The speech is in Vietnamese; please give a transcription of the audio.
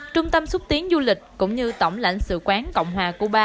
trung tâm xúc tiến du lịch cũng như tổng lãnh sự quán cộng hòa cuba